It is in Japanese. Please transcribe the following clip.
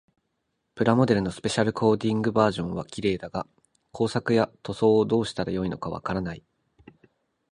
プラモデルのスペシャルコーティングバージョンは綺麗だが、工作や塗装をどうしたらよいのかわからない。